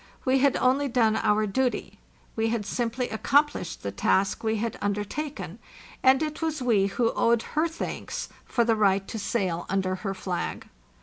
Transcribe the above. We had only done our duty; we had simply accomplished the task we had undertaken; and it was we who owed her thanks for the right to sail under her flag.